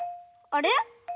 あれ？